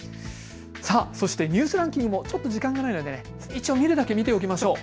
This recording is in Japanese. そしてニュースランキングもちょっと、時間がないので一応、見るだけ見ていきましょう。